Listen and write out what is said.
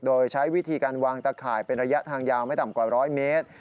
โดยใช้วิธีการวางตะข่ายเป็นระยะทางยาวไม่ต่ำกว่า๑๐๐เมตร